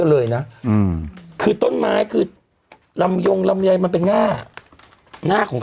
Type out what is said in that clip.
เลยนะอืมคือต้นไม้คือลำยงลำไยมันเป็นหน้าหน้าของเขา